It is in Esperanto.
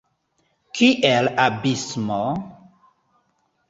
Kiel abismo!